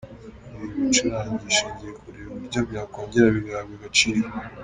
Ibi bicurangisho ngiye kureba uburyo byakongera bigahabwa agaciro.